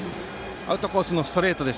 アウトコースのストレート